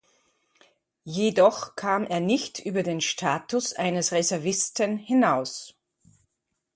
Jedoch kam er nicht über den Status eines Reservisten hinaus.